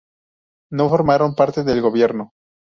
No formaron parte del gobierno.